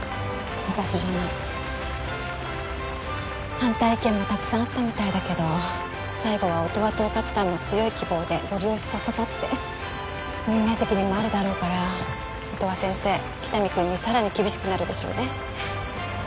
私じゃない反対意見もたくさんあったみたいだけど最後は音羽統括官の強い希望でごり押しさせたって任命責任もあるだろうから音羽先生喜多見君にさらに厳しくなるでしょうね